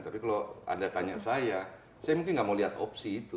tapi kalau anda tanya saya saya mungkin nggak mau lihat opsi itu